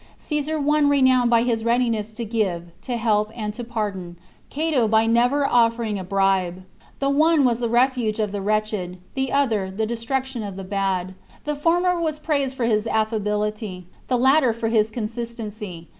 Caesar won renown by his readiness to give, to help, and to pardon; Cato by never offering a bribe. The one was the refuge of the \vretched ; the other, the de struction of the bad. The former was praised for his affability; the latter for his consistency.